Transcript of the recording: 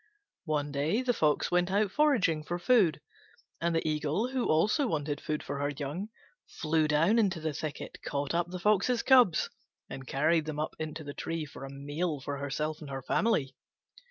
One day the Fox went out foraging for food, and the Eagle, who also wanted food for her young, flew down into the thicket, caught up the Fox's cubs, and carried them up into the tree for a meal for herself and her family.